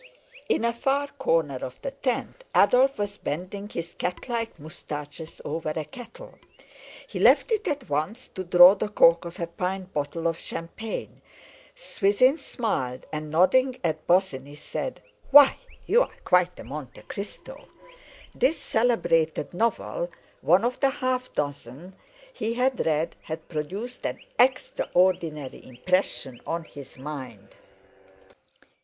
In a far corner of the tent Adolf was bending his cat like moustaches over a kettle. He left it at once to draw the cork of a pint bottle of champagne. Swithin smiled, and, nodding at Bosinney, said: "Why, you're quite a Monte Cristo!" This celebrated novel—one of the half dozen he had read—had produced an extraordinary impression on his mind.